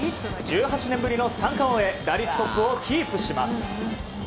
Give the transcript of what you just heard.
１８年ぶりの三冠王へ打率トップをキープします。